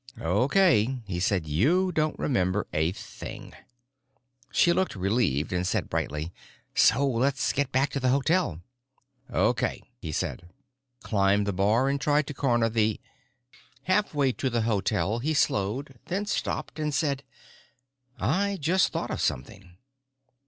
"Okay," he said. "You don't remember a thing." She looked relieved and said brightly, "So let's get back to the hotel." "Okay," he said. Climbed the bar and tried to corner the.... Halfway to the hotel he slowed, then stopped, and said, "I just thought of something.